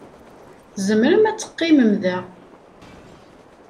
Tzemrem ad teqqimem da.